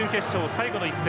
最後の一戦。